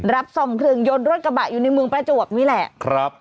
รับซ่อมเครื่องยนต์รถกระบะอยู่ในเมืองประจวบนี่แหละครับ